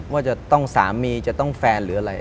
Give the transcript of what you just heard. ว่าจะต้องสามีจะต้องแฟนหรืออะไร